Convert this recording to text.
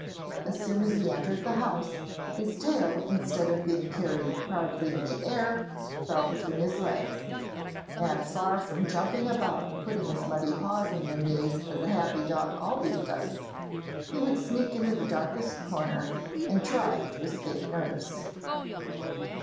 As soon as he entered the house, his tail instead of being carried proudly in the air, fell between his legs; and far from jumping about and putting his muddy paws on your knees as a happy dog always does, he would sneak into the darkest corner, and try to escape notice.